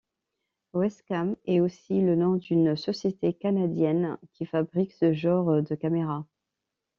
Wescam est aussi le nom d'une société canadienne qui fabrique ce genre de caméras.